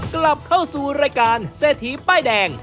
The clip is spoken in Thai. กลับเข้าสู่รายการเสธีปี้แดง